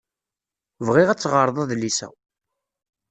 Bɣiɣ ad teɣreḍ adlis-a.